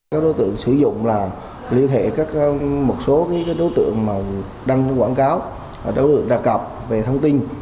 các đối tượng sử dụng là liên hệ một số đối tượng đăng quảng cáo đối tượng đặc cập về thông tin